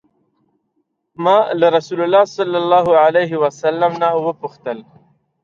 ما له رسول الله صلی الله علیه وسلم نه وپوښتل.